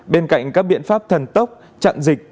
bên cạnh các biện pháp thần tốc chặn dịch